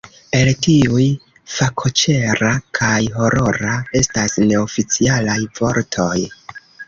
El tiuj, fakoĉera kaj horora estas neoficialaj vortoj.